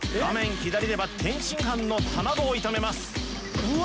左では天津飯の卵を炒めますうわ